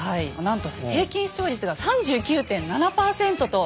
なんと平均視聴率が３９．７％と。